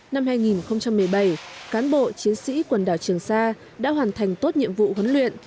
năm hai nghìn một mươi bảy cán bộ chiến sĩ quần đảo trường sa đã hoàn thành tốt nhiệm vụ huấn luyện